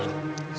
siapa orang itu ki